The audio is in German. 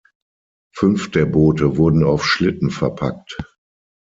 Fünf der Boote wurden auf Schlitten verpackt.